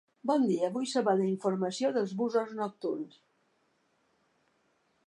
Bon dia, vull saber la informació dels busos nocturns.